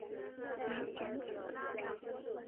鱼显子